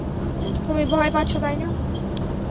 তুমি ভয় পাচ্ছ, তাই না?